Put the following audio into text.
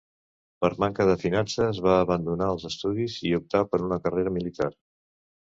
Per manca de finances va abandonar els estudis i optar per a una carrera militar.